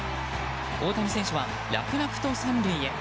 大谷選手は楽々と３塁へ。